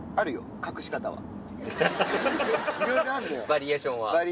バリエーション